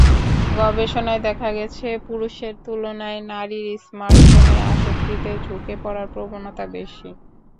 গবেষণায় দেখা গেছে, পুরুষের তুলনায় নারীর স্মার্টফোনে আসক্তিতে ঝুঁকে পড়ার প্রবণতা বেশি।